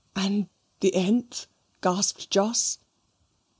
"And the th?" gasped Jos.